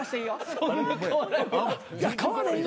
そんな変わらへん。